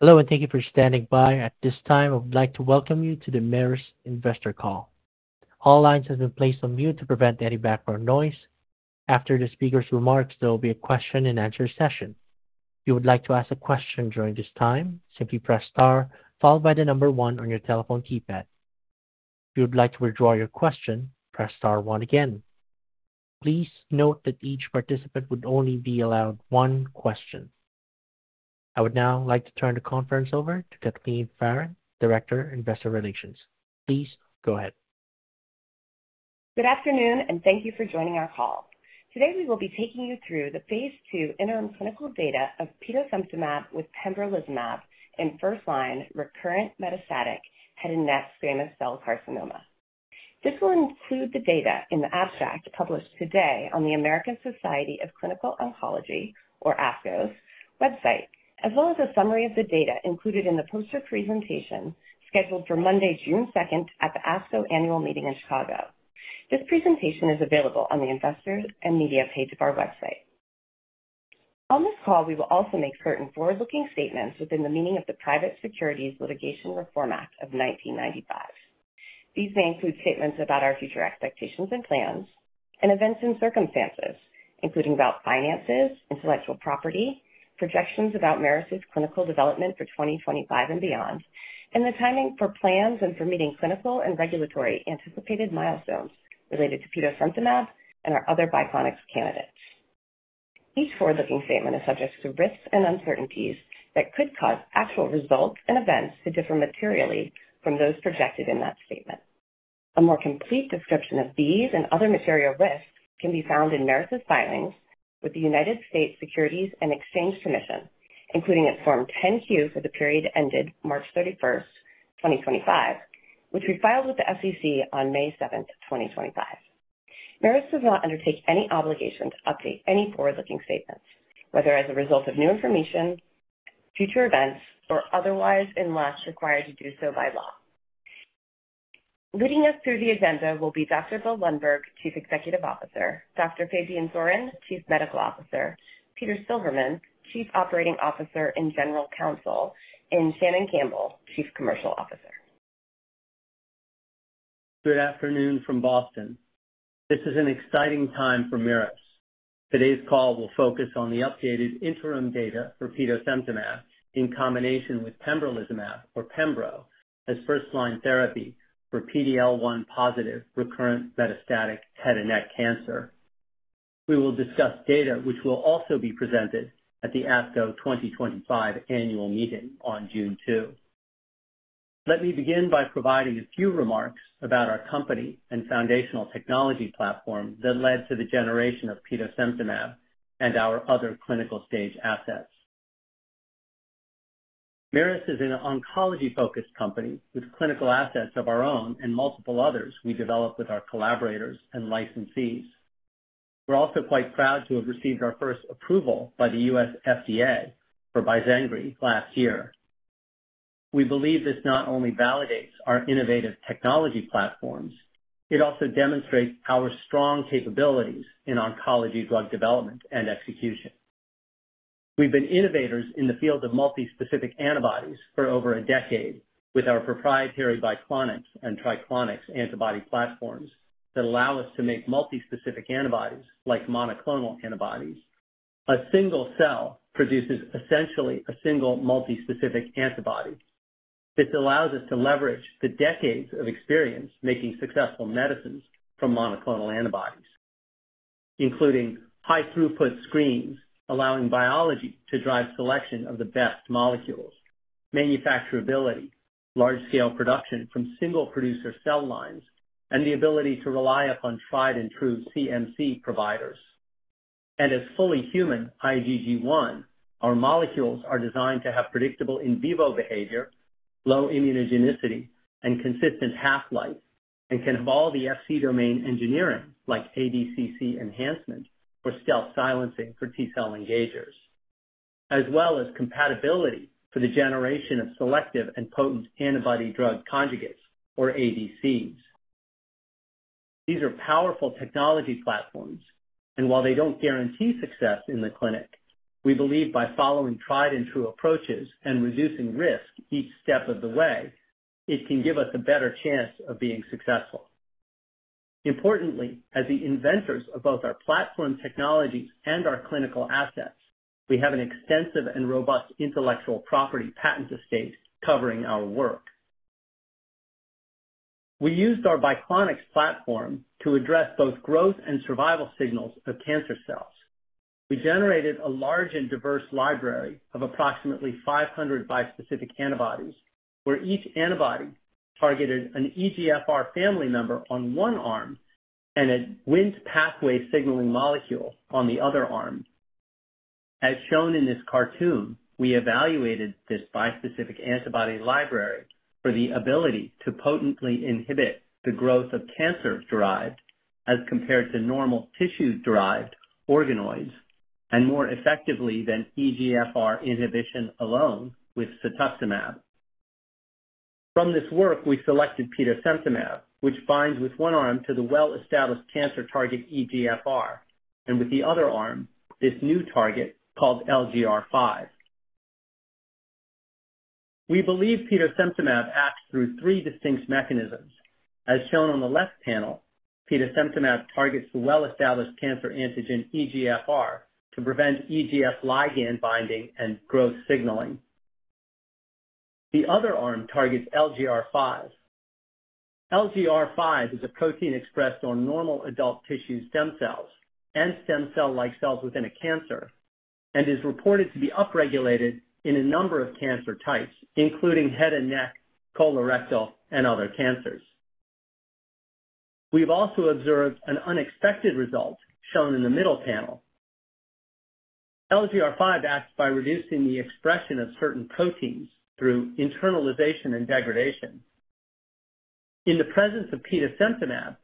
Hello, and thank you for standing by. At this time, I would like to welcome you to the Merus Investor Call. All lines have been placed on mute to prevent any background noise. After the speaker's remarks, there will be a question-and-answer session. If you would like to ask a question during this time, simply press star, followed by the number one on your telephone keypad. If you would like to withdraw your question, press star one again. Please note that each participant would only be allowed one question. I would now like to turn the conference over to Kathleen Farren, Director, Investor Relations. Please go ahead. Good afternoon, and thank you for joining our call. Today, we will be taking you through the phase II interim clinical data of petosemtamab with pembrolizumab in first-line recurrent metastatic head and neck squamous cell carcinoma. This will include the data in the abstract published today on the American Society of Clinical Oncology, or ASCO's, website, as well as a summary of the data included in the poster presentation scheduled for Monday, June 2, at the ASCO Annual Meeting in Chicago. This presentation is available on the investor and media page of our website. On this call, we will also make certain forward-looking statements within the meaning of the Private Securities Litigation Reform Act of 1995. These may include statements about our future expectations and plans, and events and circumstances, including about finances, intellectual property, projections about Merus' clinical development for 2025 and beyond, and the timing for plans and for meeting clinical and regulatory anticipated milestones related to petosemtamab and our other Biclonics candidates. Each forward-looking statement is subject to risks and uncertainties that could cause actual results and events to differ materially from those projected in that statement. A more complete description of these and other material risks can be found in Merus' filings with the U.S. Securities and Exchange Commission, including its Form 10-Q for the period ended March 31st, 2025, which we filed with the SEC on May 7, 2025. Merus does not undertake any obligation to update any forward-looking statements, whether as a result of new information, future events, or otherwise unless required to do so by law. Leading us through the agenda will be Dr. Bill Lundberg, Chief Executive Officer, Dr. Fabian Zohren, Chief Medical Officer, Peter Silverman, Chief Operating Officer and General Counsel, and Shannon Campbell, Chief Commercial Officer. Good afternoon from Boston. This is an exciting time for Merus. Today's call will focus on the updated interim data for petosemtamab in combination with pembrolizumab, or Pembro, as first-line therapy for PD-L1+ recurrent metastatic head and neck cancer. We will discuss data, which will also be presented at the ASCO 2025 Annual Meeting on June 2. Let me begin by providing a few remarks about our company and foundational technology platform that led to the generation of petosemtamab and our other clinical stage assets. Merus is an oncology-focused company with clinical assets of our own and multiple others we develop with our collaborators and licensees. We're also quite proud to have received our first approval by the U.S. FDA for Bizengri last year. We believe this not only validates our innovative technology platforms, it also demonstrates our strong capabilities in oncology drug development and execution. We've been innovators in the field of multi-specific antibodies for over a decade with our proprietary Biclonics and Triclonics antibody platforms that allow us to make multi-specific antibodies like monoclonal antibodies. A single cell produces essentially a single multi-specific antibody. This allows us to leverage the decades of experience making successful medicines from monoclonal antibodies, including high-throughput screens allowing biology to drive selection of the best molecules, manufacturability, large-scale production from single-producer cell lines, and the ability to rely upon tried-and-true CMC providers. As fully human IgG1, our molecules are designed to have predictable in vivo behavior, low immunogenicity, and consistent half-life, and can have all the FC domain engineering like ADCC enhancement or stealth silencing for T-cell engagers, as well as compatibility for the generation of selective and potent antibody drug conjugates, or ADCs. These are powerful technology platforms, and while they don't guarantee success in the clinic, we believe by following tried-and-true approaches and reducing risk each step of the way, it can give us a better chance of being successful. Importantly, as the inventors of both our platform technologies and our clinical assets, we have an extensive and robust intellectual property patent estate covering our work. We used our Biclonics platform to address both growth and survival signals of cancer cells. We generated a large and diverse library of approximately 500 bispecific antibodies, where each antibody targeted an EGFR family member on one arm and a Wnt pathway signaling molecule on the other arm. As shown in this cartoon, we evaluated this bispecific antibody library for the ability to potently inhibit the growth of cancer derived as compared to normal tissue-derived organoids and more effectively than EGFR inhibition alone with cetuximab. From this work, we selected petosemtamab, which binds with one arm to the well-established cancer target EGFR, and with the other arm, this new target called LGR5. We believe petosemtamab acts through three distinct mechanisms. As shown on the left panel, petosemtamab targets the well-established cancer antigen EGFR to prevent EGF ligand binding and growth signaling. The other arm targets LGR5. LGR5 is a protein expressed on normal adult tissue stem cells and stem cell-like cells within a cancer and is reported to be upregulated in a number of cancer types, including head and neck, colorectal, and other cancers. We've also observed an unexpected result shown in the middle panel. LGR5 acts by reducing the expression of certain proteins through internalization and degradation. In the presence of petosemtamab,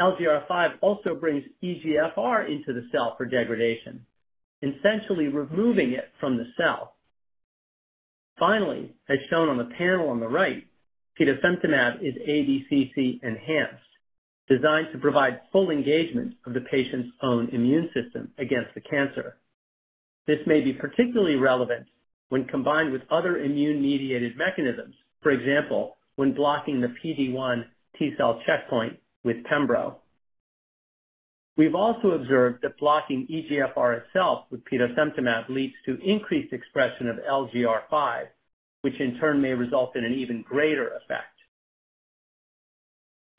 LGR5 also brings EGFR into the cell for degradation, essentially removing it from the cell. Finally, as shown on the panel on the right, petosemtamab is ADCC-enhanced, designed to provide full engagement of the patient's own immune system against the cancer. This may be particularly relevant when combined with other immune-mediated mechanisms, for example, when blocking the PD1 T-cell checkpoint with Pembro. We've also observed that blocking EGFR itself with petosemtamab leads to increased expression of LGR5, which in turn may result in an even greater effect.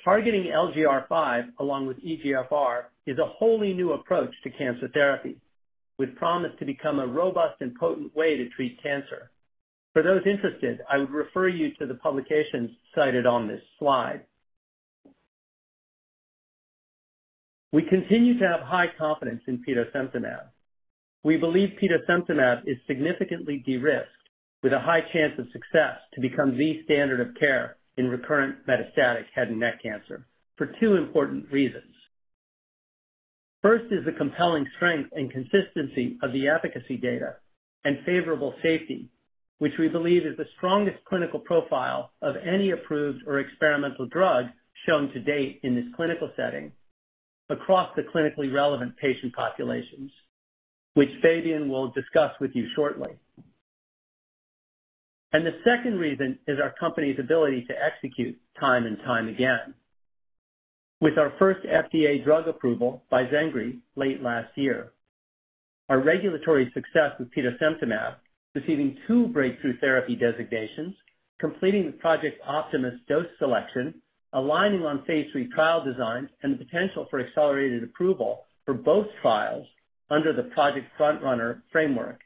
Targeting LGR5 along with EGFR is a wholly new approach to cancer therapy, with promise to become a robust and potent way to treat cancer. For those interested, I would refer you to the publications cited on this slide. We continue to have high confidence in petosemtamab. We believe petosemtamab is significantly de-risked, with a high chance of success to become the standard of care in recurrent metastatic head and neck cancer for two important reasons. First is the compelling strength and consistency of the efficacy data and favorable safety, which we believe is the strongest clinical profile of any approved or experimental drug shown to date in this clinical setting across the clinically relevant patient populations, which Fabian will discuss with you shortly. The second reason is our company's ability to execute time and time again, with our first FDA drug approval, Bizengri, late last year. Our regulatory success with petosemtamab, receiving two Breakthrough Therapy Designations, completing the Project Optimus dose selection, aligning on phase III trial designs, and the potential for accelerated approval for both trials under the Project FrontRunner framework.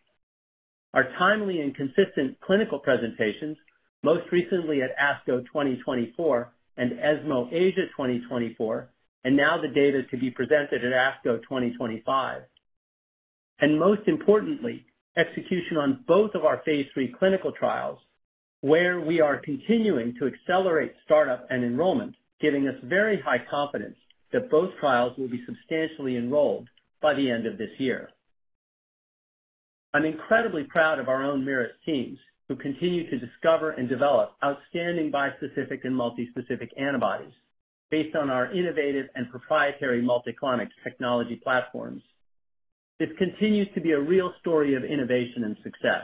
Our timely and consistent clinical presentations, most recently at ASCO 2024 and ESMO Asia 2024, and now the data to be presented at ASCO 2025. Most importantly, execution on both of our phase III clinical trials, where we are continuing to accelerate startup and enrollment, giving us very high confidence that both trials will be substantially enrolled by the end of this year. I'm incredibly proud of our own Merus teams, who continue to discover and develop outstanding bispecific and multi-specific antibodies based on our innovative and proprietary multi-clonics technology platforms. This continues to be a real story of innovation and success,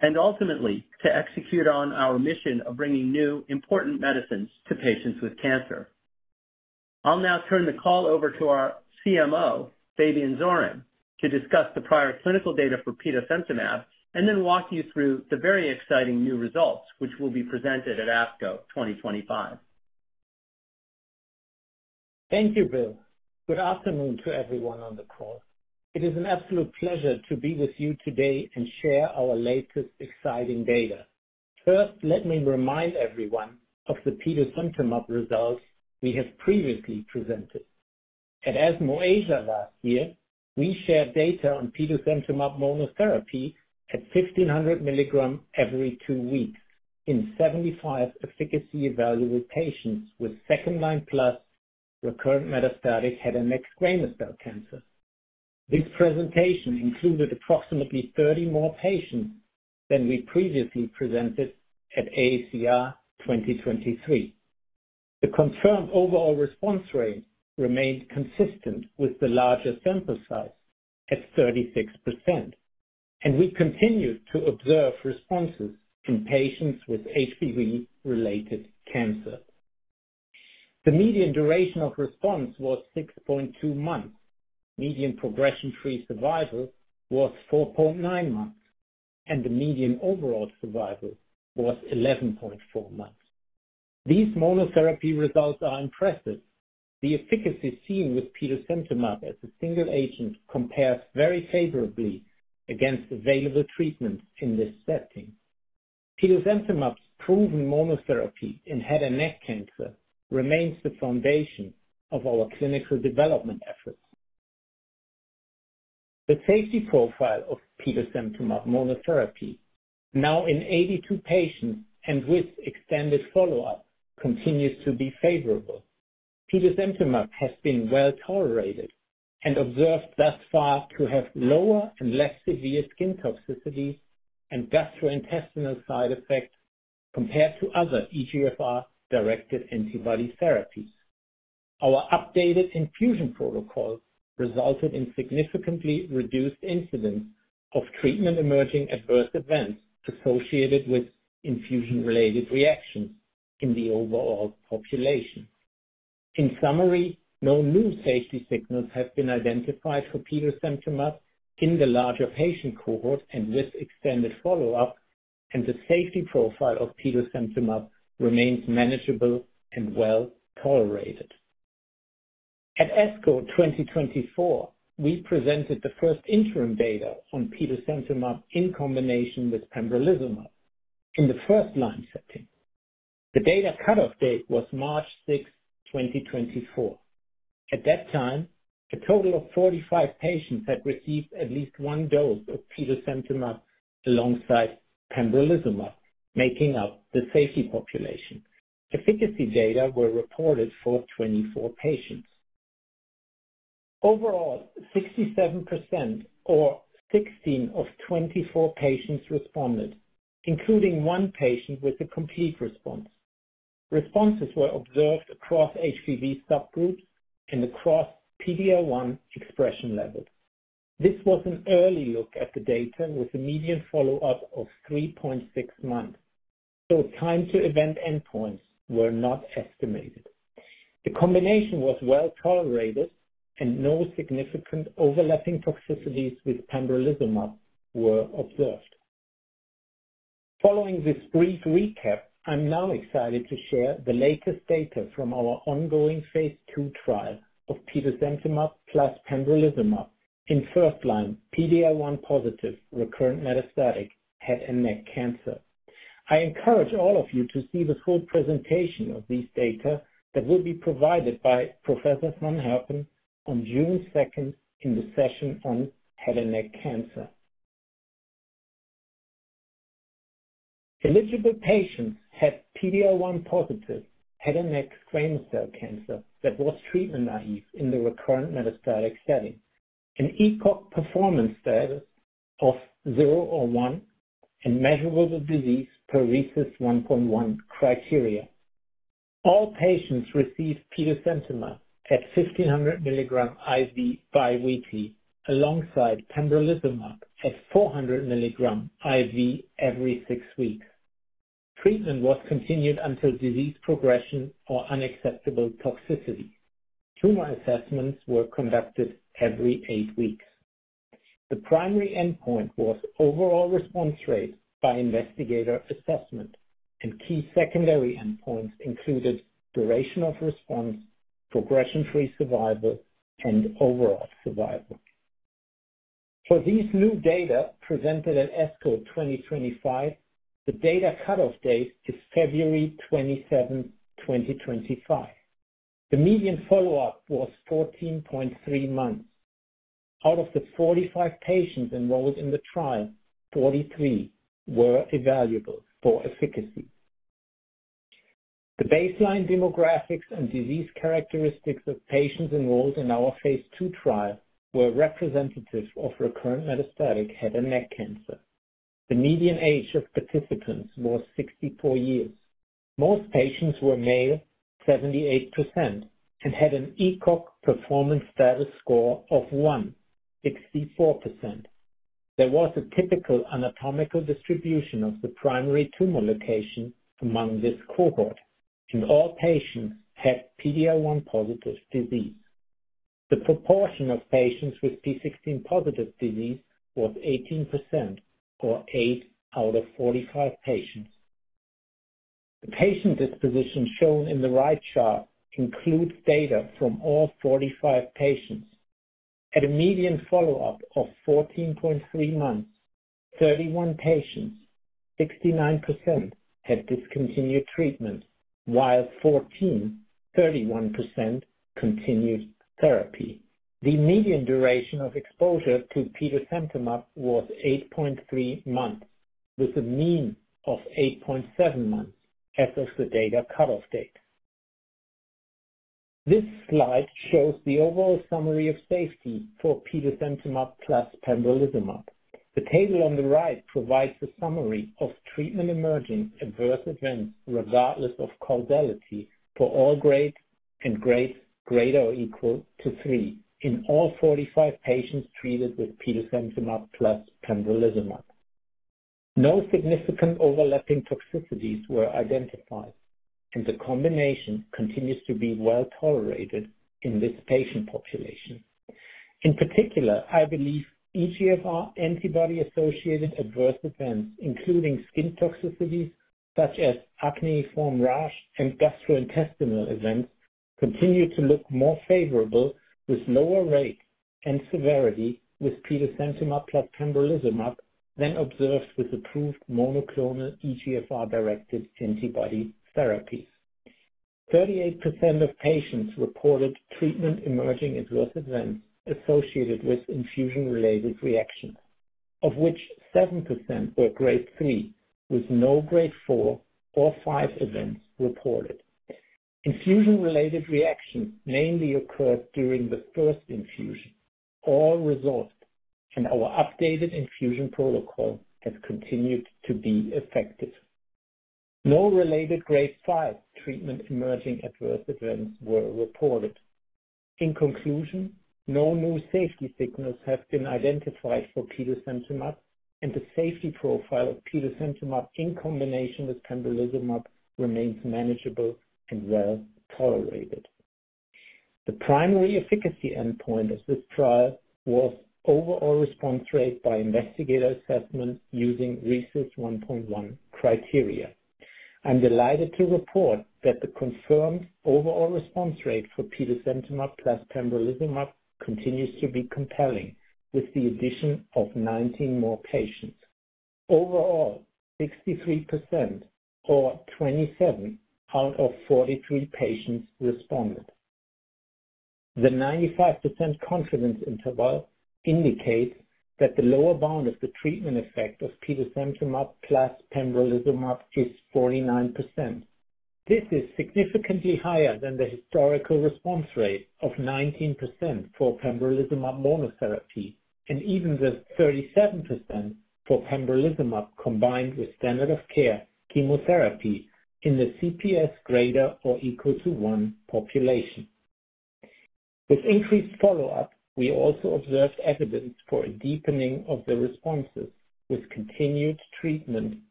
and ultimately to execute on our mission of bringing new important medicines to patients with cancer. I'll now turn the call over to our Chief Medical Officer, Fabian Zohren, to discuss the prior clinical data for petosemtamab, and then walk you through the very exciting new results, which will be presented at ASCO 2025. Thank you, Bill. Good afternoon to everyone on the call. It is an absolute pleasure to be with you today and share our latest exciting data. First, let me remind everyone of the petosemtamab results we have previously presented. At ESMO Asia last year, we shared data on petosemtamab monotherapy at 1,500 milligrams every 2 weeks in 75 efficacy evaluated patients with second-line plus recurrent metastatic head and neck squamous cell cancer. This presentation included approximately 30 more patients than we previously presented at AACR 2023. The confirmed overall response rate remained consistent with the larger sample size at 36%, and we continued to observe responses in patients with HPV-related cancer. The median duration of response was 6.2 months, median progression-free survival was 4.9 months, and the median overall survival was 11.4 months. These monotherapy results are impressive. The efficacy seen with petosemtamab as a single agent compares very favorably against available treatments in this setting. Petosemtamab's proven monotherapy in head and neck cancer remains the foundation of our clinical development efforts. The safety profile of petosemtamab monotherapy, now in 82 patients and with extended follow-up, continues to be favorable. Petosemtamab has been well-tolerated and observed thus far to have lower and less severe skin toxicities and gastrointestinal side effects compared to other EGFR-directed antibody therapies. Our updated infusion protocol resulted in significantly reduced incidence of treatment-emerging adverse events associated with infusion-related reactions in the overall population. In summary, no new safety signals have been identified for petosemtamab in the larger patient cohort and with extended follow-up, and the safety profile of petosemtamab remains manageable and well-tolerated. At ASCO 2024, we presented the first interim data on petosemtamab in combination with pembrolizumab in the first-line setting. The data cut-off date was March 6th, 2024. At that time, a total of 45 patients had received at least one dose of petosemtamab alongside pembrolizumab, making up the safety population. Efficacy data were reported for 24 patients. Overall, 67% or 16 of 24 patients responded, including one patient with a complete response. Responses were observed across HPV subgroups and across PD-L1 expression levels. This was an early look at the data with a median follow-up of 3.6 months, so time-to-event endpoints were not estimated. The combination was well-tolerated, and no significant overlapping toxicities with pembrolizumab were observed. Following this brief recap, I'm now excited to share the latest data from our ongoing phase II trial of petosemtamab plus pembrolizumab in first-line PD-L1+ recurrent metastatic head and neck cancer. I encourage all of you to see the full presentation of these data that will be provided by Professor van Herpen on June 2nd in the session on head and neck cancer. Eligible patients had PD-L1+ head and neck squamous cell cancer that was treatment naive in the recurrent metastatic setting, an ECOG performance status of 0 or 1, and measurable disease per RECIST 1.1 criteria. All patients received petosemtamab at 1,500 milligrams IV biweekly alongside pembrolizumab at 400 milligrams IV every 6 weeks. Treatment was continued until disease progression or unacceptable toxicity. Tumor assessments were conducted every 8 weeks. The primary endpoint was overall response rate by investigator assessment, and key secondary endpoints included duration of response, progression-free survival, and overall survival. For these new data presented at ASCO 2025, the data cut-off date is February 27, 2025. The median follow-up was 14.3 months. Out of the 45 patients enrolled in the trial, 43 were evaluable for efficacy. The baseline demographics and disease characteristics of patients enrolled in our phase II trial were representative of recurrent metastatic head and neck cancer. The median age of participants was 64 years. Most patients were male, 78%, and had an ECOG performance status score of 1, 64%. There was a typical anatomical distribution of the primary tumor location among this cohort, and all patients had PD-L1+ disease. The proportion of patients with p16-positive disease was 18% or 8 out of 45 patients. The patient disposition shown in the right chart includes data from all 45 patients. At a median follow-up of 14.3 months, 31 patients, 69%, had discontinued treatment, while 14, 31%, continued therapy. The median duration of exposure to petosemtamab was 8.3 months, with a mean of 8.7 months as of the data cut-off date. This slide shows the overall summary of safety for petosemtamab plus pembrolizumab. The table on the right provides a summary of treatment-emerging adverse events regardless of causality for all grades and grades greater or equal to 3 in all 45 patients treated with petosemtamab plus pembrolizumab. No significant overlapping toxicities were identified, and the combination continues to be well tolerated in this patient population. In particular, I believe EGFR antibody-associated adverse events, including skin toxicities such as acneiform rash and gastrointestinal events, continue to look more favorable with lower rate and severity with petosemtamab plus pembrolizumab than observed with approved monoclonal EGFR-directed antibody therapies. 38% of patients reported treatment-emerging adverse events associated with infusion-related reactions, of which 7% were Grade 3, with no Grade 4 or 5 events reported. Infusion-related reactions mainly occurred during the first infusion or resolved, and our updated infusion protocol has continued to be effective. No related Grade 5 treatment-emerging adverse events were reported. In conclusion, no new safety signals have been identified for petosemtamab, and the safety profile of petosemtamab in combination with pembrolizumab remains manageable and well tolerated. The primary efficacy endpoint of this trial was overall response rate by investigator assessment using RECIST 1.1 criteria. I'm delighted to report that the confirmed overall response rate for petosemtamab plus pembrolizumab continues to be compelling with the addition of 19 more patients. Overall, 63% or 27 out of 43 patients responded. The 95% confidence interval indicates that the lower bound of the treatment effect of petosemtamab plus pembrolizumab is 49%. This is significantly higher than the historical response rate of 19% for pembrolizumab monotherapy and even the 37% for pembrolizumab combined with standard of care chemotherapy in the CPS greater or equal to 1 population. With increased follow-up, we also observed evidence for a deepening of the responses with continued treatment,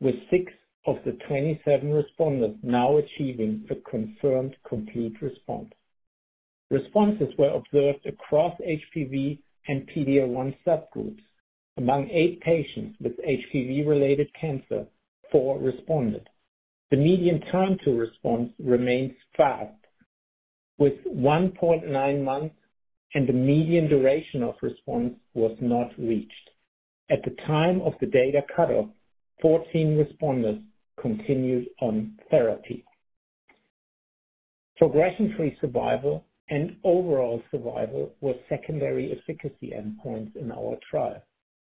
with 6 of the 27 respondents now achieving a confirmed complete response. Responses were observed across HPV and PD-L1 subgroups. Among 8 patients with HPV-related cancer, 4 responded. The median time to response remains fast, with 1.9 months, and the median duration of response was not reached. At the time of the data cut-off, 14 respondents continued on therapy. Progression-free survival and overall survival were secondary efficacy endpoints in our trial.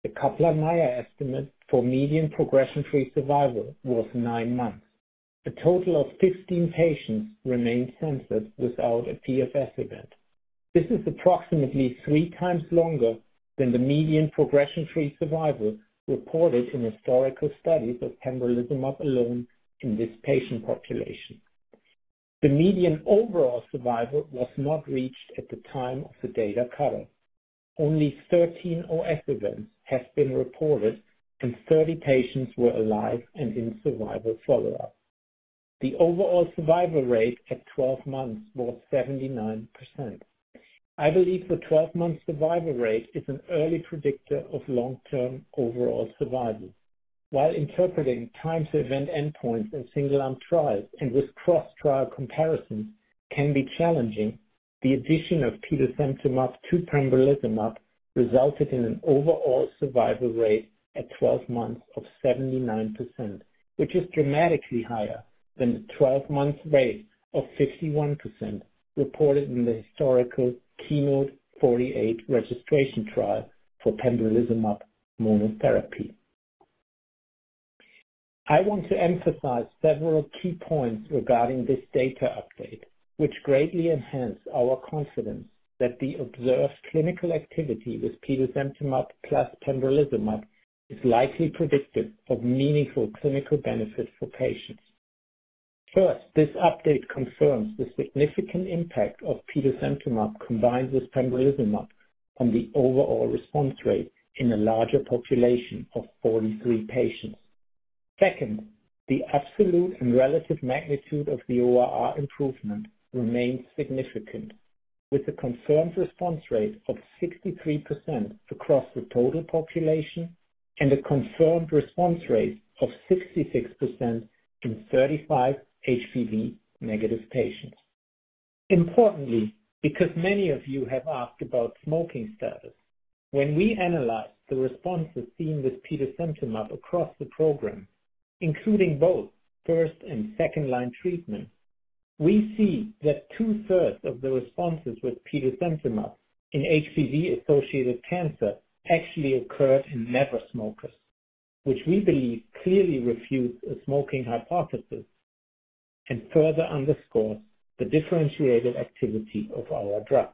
The Kaplan-Meier estimate for median progression-free survival was 9 months. A total of 15 patients remained sensitive without a PFS event. This is approximately 3x longer than the median progression-free survival reported in historical studies of pembrolizumab alone in this patient population. The median overall survival was not reached at the time of the data cut-off. Only 13 OS events have been reported, and 30 patients were alive and in survival follow-up. The overall survival rate at 12 months was 79%. I believe the 12-month survival rate is an early predictor of long-term overall survival. While interpreting time-to-event endpoints in single-arm trials and with cross-trial comparisons can be challenging, the addition of petosemtamab to pembrolizumab resulted in an overall survival rate at 12 months of 79%, which is dramatically higher than the 12-month rate of 51% reported in the historical KEYNOTE-048 registration trial for pembrolizumab monotherapy. I want to emphasize several key points regarding this data update, which greatly enhanced our confidence that the observed clinical activity with petosemtamab plus pembrolizumab is likely predictive of meaningful clinical benefit for patients. First, this update confirms the significant impact of petosemtamab combined with pembrolizumab on the overall response rate in a larger population of 43 patients. Second, the absolute and relative magnitude of the ORR improvement remains significant, with a confirmed response rate of 63% across the total population and a confirmed response rate of 66% in 35 HPV-negative patients. Importantly, because many of you have asked about smoking status, when we analyze the responses seen with petosemtamab across the program, including both first and second-line treatment, we see that 2/3 of the responses with petosemtamab in HPV-associated cancer actually occurred in never-smokers, which we believe clearly refutes a smoking hypothesis and further underscores the differentiated activity of our drug.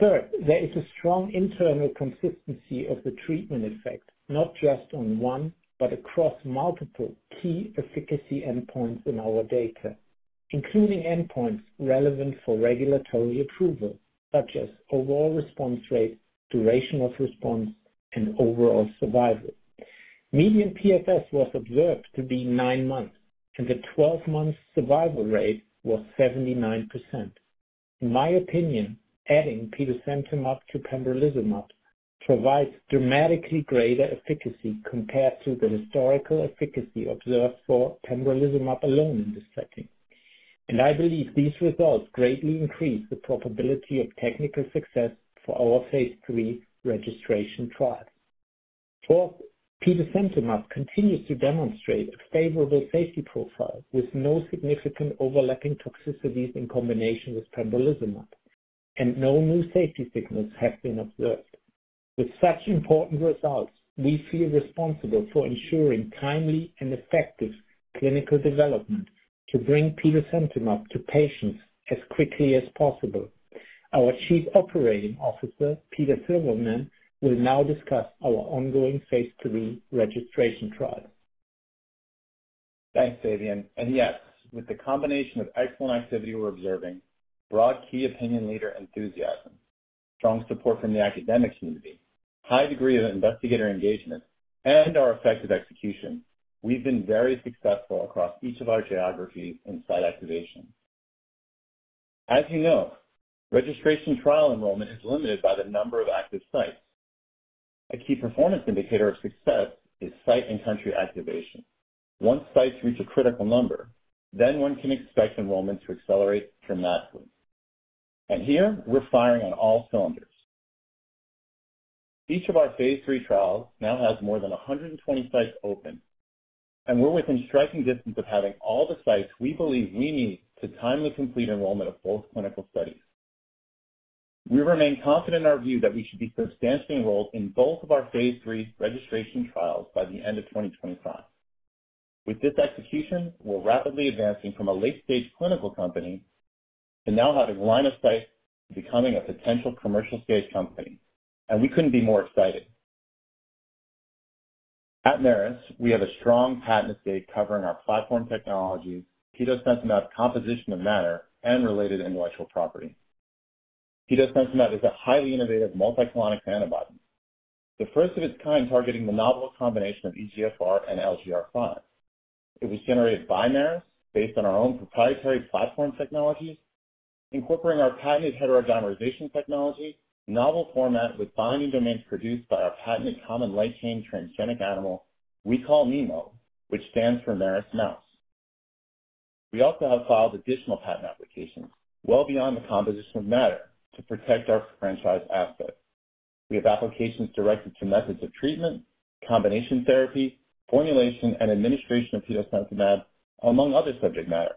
Third, there is a strong internal consistency of the treatment effect, not just on one but across multiple key efficacy endpoints in our data, including endpoints relevant for regulatory approval, such as overall response rate, duration of response, and overall survival. Median PFS was observed to be 9 months, and the 12-month survival rate was 79%. In my opinion, adding petosemtamab to pembrolizumab provides dramatically greater efficacy compared to the historical efficacy observed for pembrolizumab alone in this setting. I believe these results greatly increase the probability of technical success for our phase III registration trial. Fourth, petosemtamab continues to demonstrate a favorable safety profile with no significant overlapping toxicities in combination with pembrolizumab, and no new safety signals have been observed. With such important results, we feel responsible for ensuring timely and effective clinical development to bring petosemtamab to patients as quickly as possible. Our Chief Operating Officer, Peter Silverman, will now discuss our ongoing phase III registration trial. Thanks, Fabian. Yes, with the combination of excellent activity we're observing, broad key opinion leader enthusiasm, strong support from the academic community, high degree of investigator engagement, and our effective execution, we've been very successful across each of our geographies in site activation. As you know, registration trial enrollment is limited by the number of active sites. A key performance indicator of success is site and country activation. Once sites reach a critical number, then one can expect enrollment to accelerate dramatically. Here, we're firing on all cylinders. Each of our phase III trials now has more than 120 sites open, and we're within striking distance of having all the sites we believe we need to timely complete enrollment of both clinical studies. We remain confident in our view that we should be substantially enrolled in both of our phase III registration trials by the end of 2025. With this execution, we're rapidly advancing from a late-stage clinical company to now having a line of sight becoming a potential commercial stage company. We couldn't be more excited. At Merus, we have a strong patent estate covering our platform technologies, petosemtamab composition of matter, and related intellectual property. Petosemtamab is a highly innovative biclonics antibody, the first of its kind targeting the novel combination of EGFR and LGR5. It was generated by Merus based on our own proprietary platform technologies, incorporating our patented heterogeneous technology, novel format with binding domains produced by our patented common light chain transgenic animal we call MeMo, which stands for Merus Mouse. We also have filed additional patent applications well beyond the composition of matter to protect our franchise assets. We have applications directed to methods of treatment, combination therapy, formulation, and administration of petosemtamab, among other subject matter,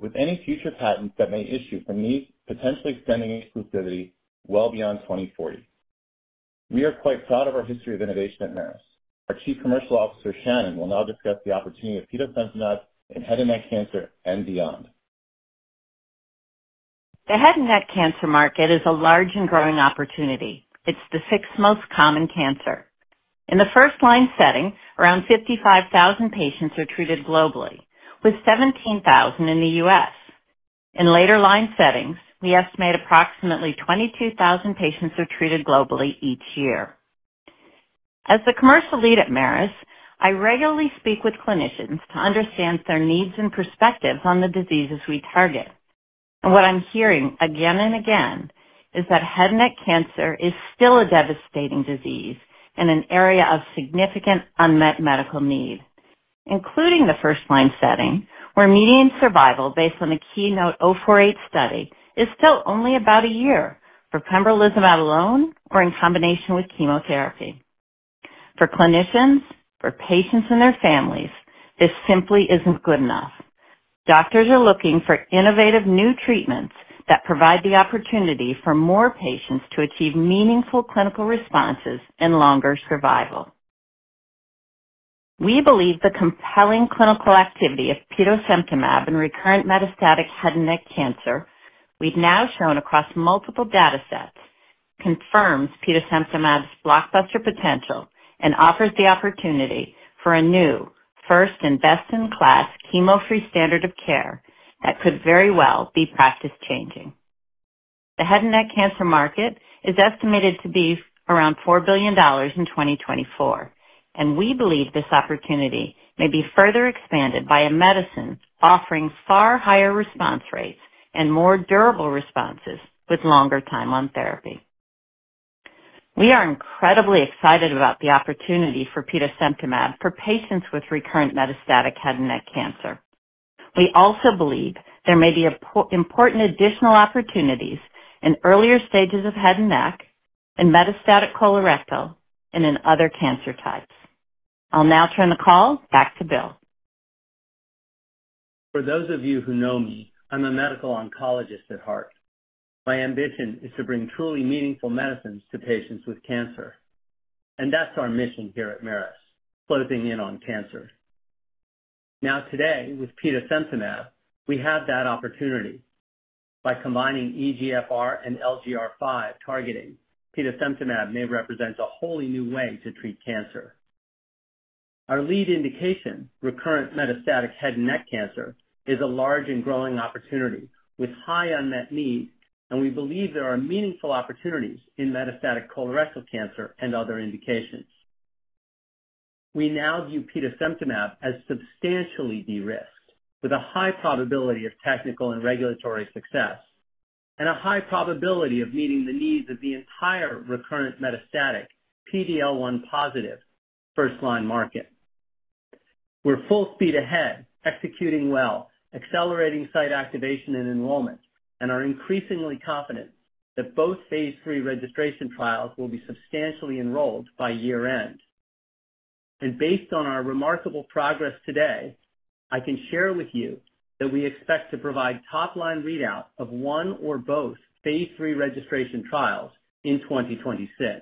with any future patents that may issue from these potentially extending exclusivity well beyond 2040. We are quite proud of our history of innovation at Merus. Our Chief Commercial Officer, Shannon, will now discuss the opportunity of petosemtamab in head and neck cancer and beyond. The head and neck cancer market is a large and growing opportunity. It's the sixth most common cancer. In the first-line setting, around 55,000 patients are treated globally, with 17,000 in the U.S. In later-line settings, we estimate approximately 22,000 patients are treated globally each year. As the commercial lead at Merus, I regularly speak with clinicians to understand their needs and perspectives on the diseases we target. What I'm hearing again and again is that head and neck cancer is still a devastating disease and an area of significant unmet medical need, including the first-line setting, where median survival based on the KEYNOTE-048 study is still only about a year for pembrolizumab alone or in combination with chemotherapy. For clinicians, for patients and their families, this simply isn't good enough. Doctors are looking for innovative new treatments that provide the opportunity for more patients to achieve meaningful clinical responses and longer survival. We believe the compelling clinical activity of petosemtamab in recurrent metastatic head and neck cancer we've now shown across multiple data sets confirms petosemtamab's blockbuster potential and offers the opportunity for a new, first, and best-in-class chemo-free standard of care that could very well be practice-changing. The head and neck cancer market is estimated to be around $4 billion in 2024, and we believe this opportunity may be further expanded by a medicine offering far higher response rates and more durable responses with longer time on therapy. We are incredibly excited about the opportunity for petosemtamab for patients with recurrent metastatic head and neck cancer. We also believe there may be important additional opportunities in earlier stages of head and neck, in metastatic colorectal, and in other cancer types. I'll now turn the call back to Bill. For those of you who know me, I'm a medical oncologist at heart. My ambition is to bring truly meaningful medicines to patients with cancer. That's our mission here at Merus, closing in on cancer. Now, today, with petosemtamab, we have that opportunity. By combining EGFR and LGR5 targeting, petosemtamab may represent a wholly new way to treat cancer. Our lead indication, recurrent metastatic head and neck cancer, is a large and growing opportunity with high unmet needs, and we believe there are meaningful opportunities in metastatic colorectal cancer and other indications. We now view petosemtamab as substantially de-risked, with a high probability of technical and regulatory success and a high probability of meeting the needs of the entire recurrent metastatic PD-L1+ first-line market. We're full speed ahead, executing well, accelerating site activation and enrollment, and are increasingly confident that both phase III registration trials will be substantially enrolled by year-end. Based on our remarkable progress today, I can share with you that we expect to provide top-line readout of one or both phase III registration trials in 2026.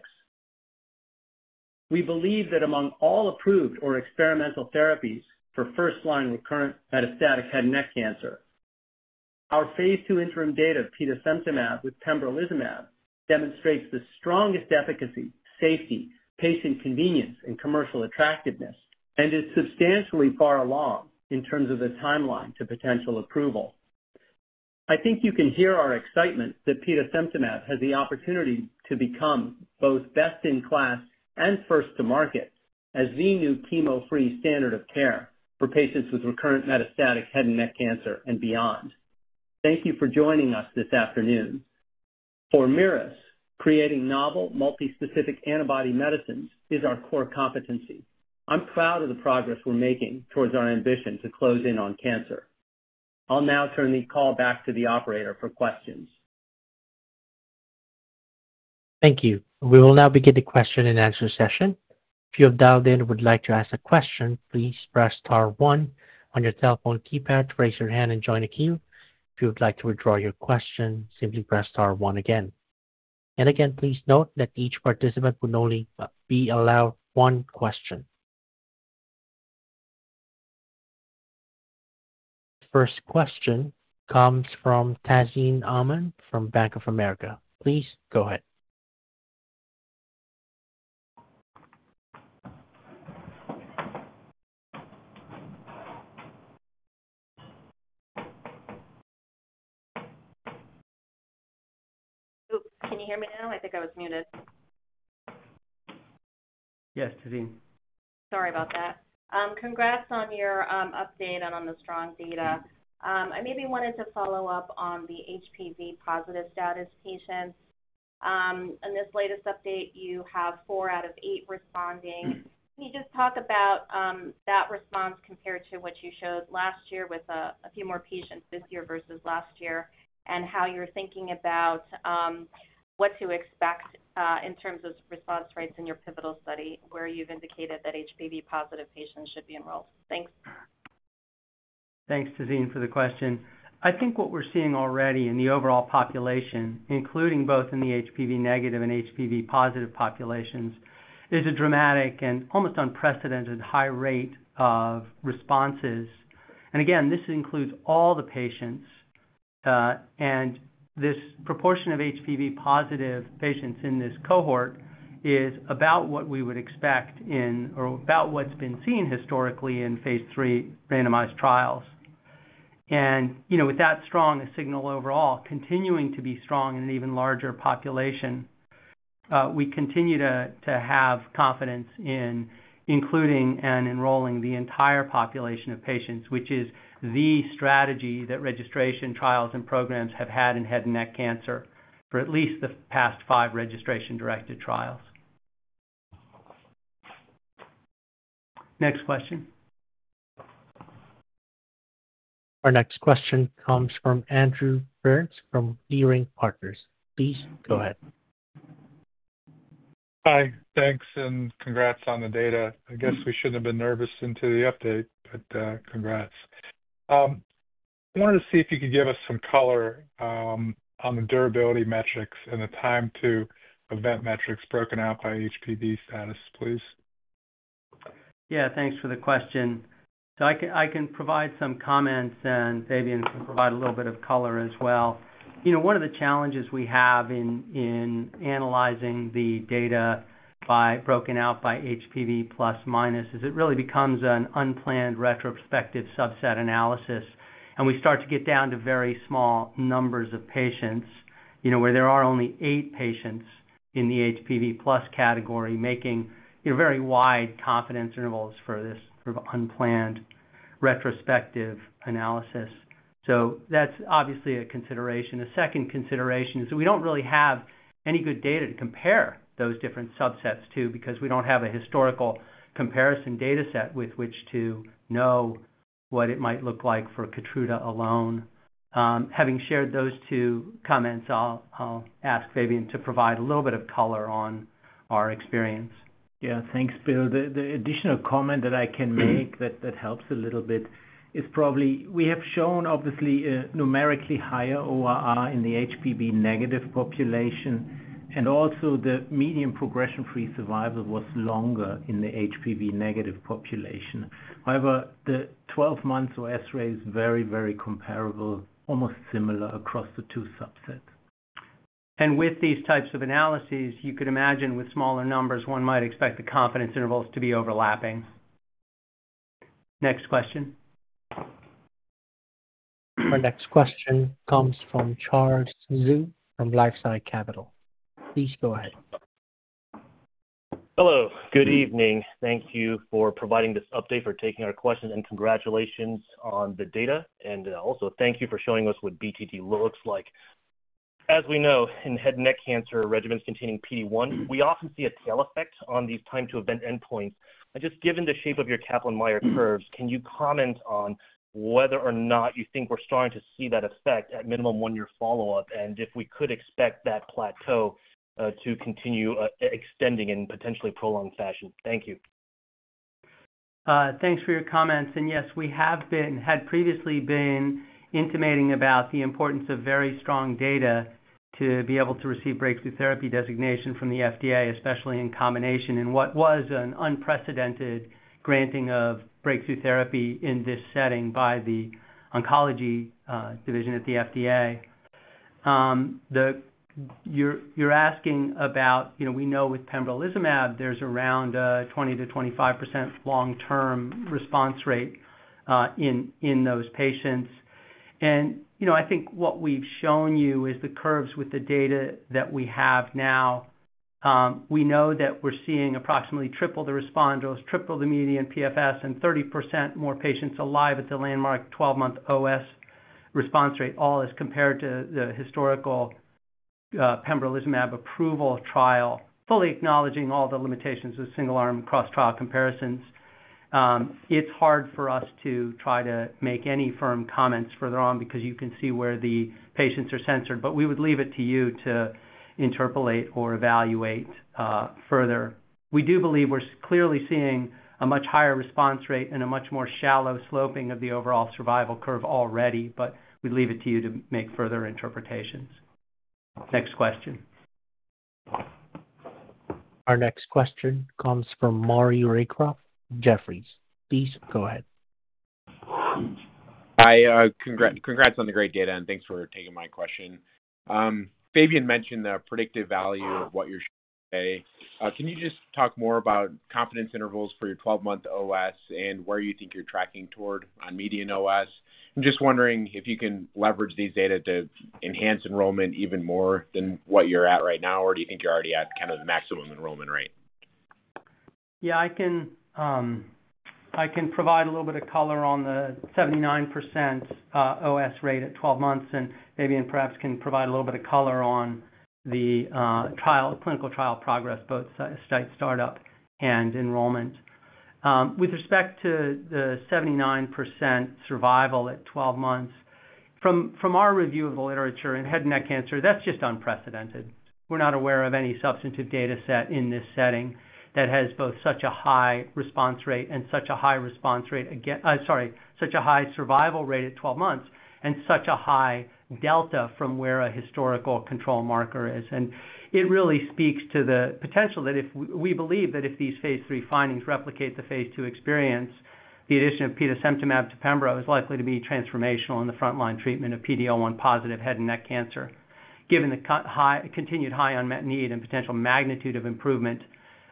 We believe that among all approved or experimental therapies for first-line recurrent metastatic head and neck cancer, our phase II interim data of petosemtamab with pembrolizumab demonstrates the strongest efficacy, safety, patient convenience, and commercial attractiveness, and is substantially far along in terms of the timeline to potential approval. I think you can hear our excitement that petosemtamab has the opportunity to become both best-in-class and first-to-market as the new chemo-free standard of care for patients with recurrent metastatic head and neck cancer and beyond. Thank you for joining us this afternoon. For Merus, creating novel multi-specific antibody medicines is our core competency. I'm proud of the progress we're making towards our ambition to close in on cancer. I'll now turn the call back to the operator for questions. Thank you. We will now begin the question and answer session. If you have dialed in and would like to ask a question, please press star one on your telephone keypad, raise your hand, and join a queue. If you would like to withdraw your question, simply press star one again. Please note that each participant will only be allowed one question. First question comes from Tazeen Ahmad from Bank of America. Please go ahead. Can you hear me now? I think I was muted. Yes, Tazeen. Sorry about that. Congrats on your update and on the strong data. I maybe wanted to follow up on the HPV-positive status patients. In this latest update, you have four out of eight responding. Can you just talk about that response compared to what you showed last year with a few more patients this year versus last year, and how you're thinking about what to expect in terms of response rates in your pivotal study where you've indicated that HPV-positive patients should be enrolled? Thanks. Thanks, Tazeen, for the question. I think what we're seeing already in the overall population, including both in the HPV-negative and HPV-positive populations, is a dramatic and almost unprecedented high rate of responses. This includes all the patients. This proportion of HPV-positive patients in this cohort is about what we would expect in or about what has been seen historically in phase III randomized trials. With that strong signal overall, continuing to be strong in an even larger population, we continue to have confidence in including and enrolling the entire population of patients, which is the strategy that registration trials and programs have had in head and neck cancer for at least the past five registration-directed trials. Next question. Our next question comes from Andrew Berens from Leerink Partners. Please go ahead. Hi. Thanks, and congrats on the data. I guess we should not have been nervous into the update, but congrats. I wanted to see if you could give us some color on the durability metrics and the time-to-event metrics broken out by HPV status, please. Yeah, thanks for the question. I can provide some comments, and Fabian can provide a little bit of color as well. One of the challenges we have in analyzing the data broken out by HPV± is it really becomes an unplanned retrospective subset analysis. We start to get down to very small numbers of patients where there are only eight patients in the HPV+ category, making very wide confidence intervals for this sort of unplanned retrospective analysis. That is obviously a consideration. A second consideration is that we do not really have any good data to compare those different subsets to because we do not have a historical comparison data set with which to know what it might look like for Keytruda alone. Having shared those two comments, I will ask Fabian to provide a little bit of color on our experience. Yeah, thanks, Bill. The additional comment that I can make that helps a little bit is probably we have shown, obviously, a numerically higher ORR in the HPV-negative population, and also the median progression-free survival was longer in the HPV-negative population. However, the 12-month OS rate is very, very comparable, almost similar across the two subsets. With these types of analyses, you could imagine with smaller numbers, one might expect the confidence intervals to be overlapping. Next question. Our next question comes from Charles Zhu from LifeSci Capital. Please go ahead. Hello. Good evening. Thank you for providing this update, for taking our questions, and congratulations on the data. Also, thank you for showing us what BTT looks like. As we know, in head and neck cancer regimens containing PD1, we often see a tail effect on these time-to-event endpoints. Just given the shape of your Kaplan-Meier curves, can you comment on whether or not you think we're starting to see that effect at minimum 1-year follow-up, and if we could expect that plateau to continue extending in potentially prolonged fashion? Thank you. Thanks for your comments. Yes, we have previously been intimating about the importance of very strong data to be able to receive Breakthrough Therapy Designation from the FDA, especially in combination, and what was an unprecedented granting of Breakthrough Therapy in this setting by the oncology division at the FDA. You're asking about, we know with pembrolizumab, there's around 20%-25% long-term response rate in those patients. I think what we've shown you is the curves with the data that we have now. We know that we're seeing approximately triple the responders, triple the median PFS, and 30% more patients alive at the landmark 12-month OS response rate, all as compared to the historical pembrolizumab approval trial, fully acknowledging all the limitations of single-arm cross-trial comparisons. It is hard for us to try to make any firm comments further on because you can see where the patients are censored. We would leave it to you to interpolate or evaluate further. We do believe we're clearly seeing a much higher response rate and a much more shallow sloping of the overall survival curve already, but we'd leave it to you to make further interpretations. Next question. Our next question comes from Maury Raycroft, Jeffries. Please go ahead. Hi. Congrats on the great data, and thanks for taking my question. Fabian mentioned the predictive value of what you're showing today. Can you just talk more about confidence intervals for your 12-month OS and where you think you're tracking toward on median OS? I'm just wondering if you can leverage these data to enhance enrollment even more than what you're at right now, or do you think you're already at kind of the maximum enrollment rate? Yeah, I can provide a little bit of color on the 79% OS rate at 12 months, and Fabian perhaps can provide a little bit of color on the clinical trial progress, both site startup and enrollment. With respect to the 79% survival at 12 months, from our review of the literature in head and neck cancer, that's just unprecedented. We're not aware of any substantive data set in this setting that has both such a high response rate and such a high survival rate at 12 months and such a high delta from where a historical control marker is. It really speaks to the potential that if we believe that if these phase III findings replicate the phase II experience, the addition of petosemtamab to pembrolizumab is likely to be transformational in the front-line treatment of PD-L1+ head and neck cancer, given the continued high unmet need and potential magnitude of improvement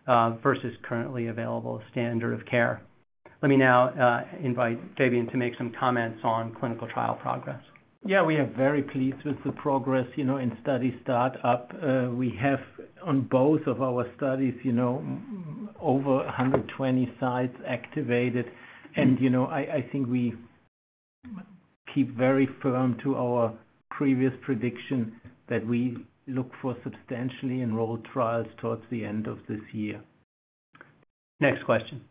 versus currently available standard of care. Let me now invite Fabian to make some comments on clinical trial progress. Yeah, we are very pleased with the progress in study startup. We have, on both of our studies, over 120 sites activated. I think we keep very firm to our previous prediction that we look for substantially enrolled trials towards the end of this year. Next question.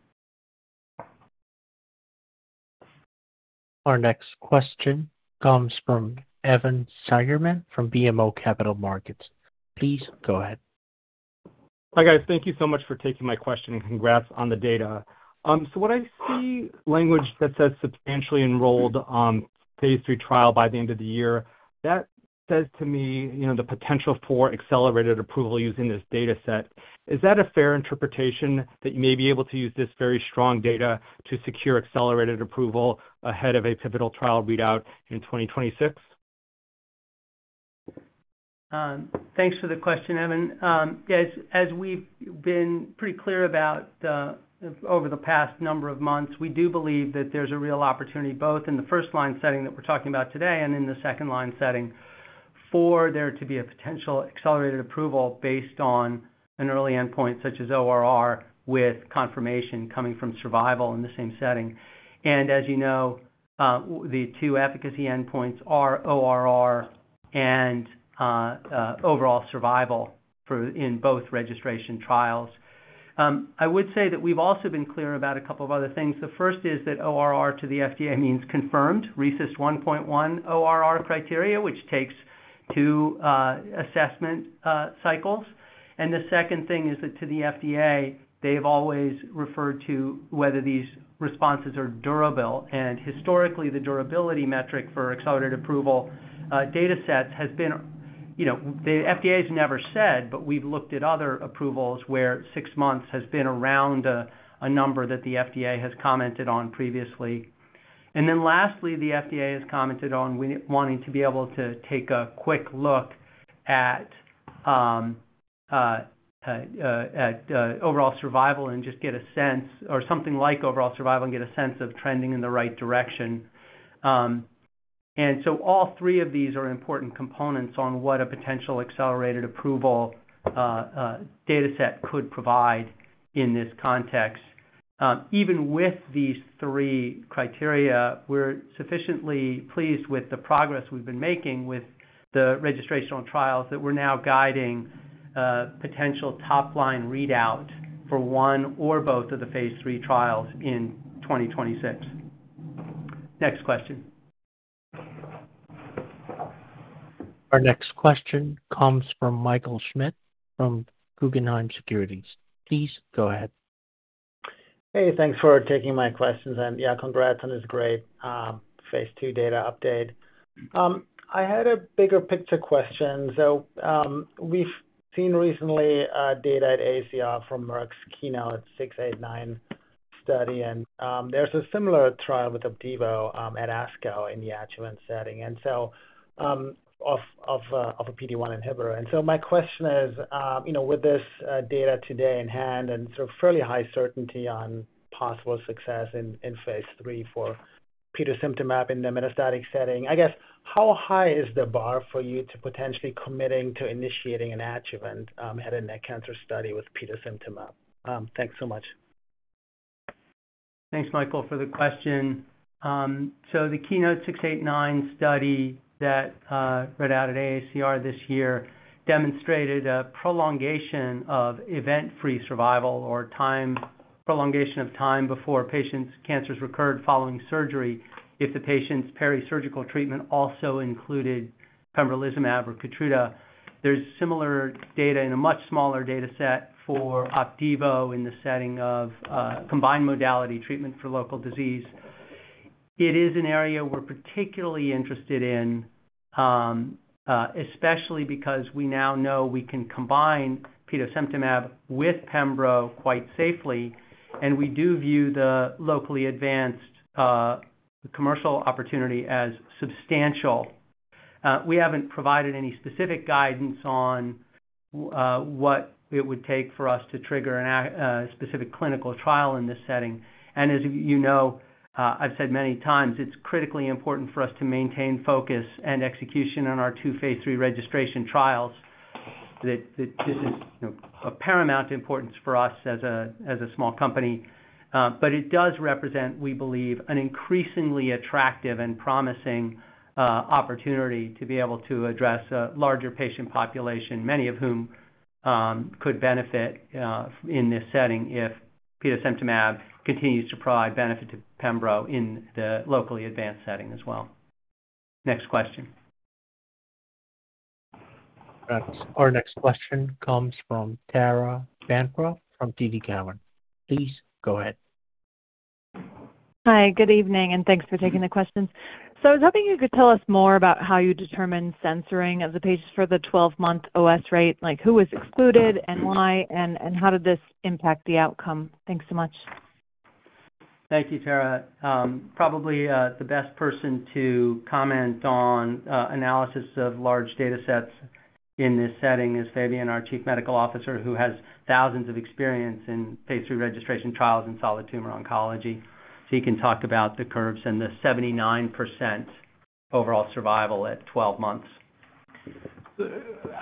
Our next question comes from Evan Seigerman from BMO Capital Markets. Please go ahead. Hi, guys. Thank you so much for taking my question, and congrats on the data. What I see language that says substantially enrolled phase III trial by the end of the year, that says to me the potential for accelerated approval using this data set. Is that a fair interpretation that you may be able to use this very strong data to secure accelerated approval ahead of a pivotal trial readout in 2026? Thanks for the question, Evan. Yeah, as we've been pretty clear about over the past number of months, we do believe that there's a real opportunity both in the first-line setting that we're talking about today and in the second-line setting for there to be a potential accelerated approval based on an early endpoint such as ORR with confirmation coming from survival in the same setting. As you know, the two efficacy endpoints are ORR and overall survival in both registration trials. I would say that we've also been clear about a couple of other things. The first is that ORR to the FDA means confirmed RECIST 1.1 ORR criteria, which takes two assessment cycles. The second thing is that to the FDA, they've always referred to whether these responses are durable. Historically, the durability metric for accelerated approval data sets has been the FDA has never said, but we've looked at other approvals where 6 months has been around a number that the FDA has commented on previously. Lastly, the FDA has commented on wanting to be able to take a quick look at overall survival and just get a sense or something like overall survival and get a sense of trending in the right direction. All three of these are important components on what a potential accelerated approval data set could provide in this context. Even with these three criteria, we're sufficiently pleased with the progress we've been making with the registrational trials that we're now guiding potential top-line readout for one or both of the phase III trials in 2026. Next question. Our next question comes from Michael Schmidt from Guggenheim Securities. Please go ahead. Hey, thanks for taking my questions. And yeah, congrats on this great phase II data update. I had a bigger picture question. We've seen recently data at AACR from Merck's KEYNOTE-689 study, and there's a similar trial with Opdivo at ASCO in the adjuvant setting and so of a PD-1 inhibitor. My question is, with this data today in hand and sort of fairly high certainty on possible success in phase III for petosemtamab in the metastatic setting, I guess, how high is the bar for you to potentially committing to initiating an adjuvant head and neck cancer study with petosemtamab? Thanks so much. Thanks, Michael, for the question. The KEYNOTE-689 study that read out at AACR this year demonstrated a prolongation of event-free survival or prolongation of time before patients' cancers recurred following surgery if the patient's perisurgical treatment also included pembrolizumab or Keytruda. There's similar data in a much smaller data set for Opdivo in the setting of combined modality treatment for local disease. It is an area we're particularly interested in, especially because we now know we can combine petosemtamab with pembrolizumab quite safely, and we do view the locally advanced commercial opportunity as substantial. We haven't provided any specific guidance on what it would take for us to trigger a specific clinical trial in this setting. As you know, I've said many times, it's critically important for us to maintain focus and execution on our two phase III registration trials. This is of paramount importance for us as a small company. It does represent, we believe, an increasingly attractive and promising opportunity to be able to address a larger patient population, many of whom could benefit in this setting if petosemtamab continues to provide benefit to pembrolizumab in the locally advanced setting as well. Next question. Our next question comes from Tara Bancroft from TD Cowen. Please go ahead. Hi, good evening, and thanks for taking the questions. I was hoping you could tell us more about how you determine censoring of the patients for the 12-month OS rate, like who was excluded and why, and how did this impact the outcome? Thanks so much. Thank you, Tara. Probably the best person to comment on analysis of large data sets in this setting is Fabian, our Chief Medical Officer, who has thousands of experience in phase III registration trials in solid tumor oncology. He can talk about the curves and the 79% overall survival at 12 months.